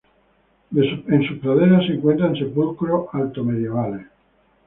En sus praderas se encuentran sepulcros altomedievales.